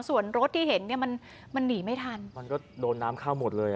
ส่วนรถที่เห็นเนี่ยมันมันหนีไม่ทันมันก็โดนน้ำเข้าหมดเลยอ่ะ